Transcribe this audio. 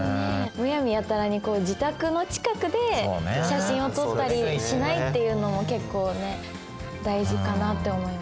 むやみやたらに自宅の近くで写真を撮ったりしないっていうのも結構ね大事かなって思います。